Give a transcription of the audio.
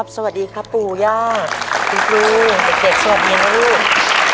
สวัสดีครับปู่ย่าคุณครูเด็กสวัสดีนะลูก